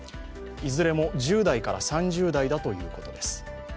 いずれも１０代から３０代だということです。